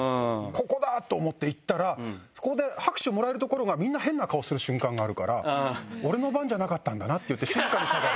ここだ！と思って行ったらここで拍手もらえるところがみんな変な顔する瞬間があるから俺の番じゃなかったんだなっていって静かに下がる。